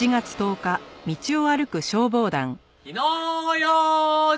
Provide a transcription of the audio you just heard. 火の用心！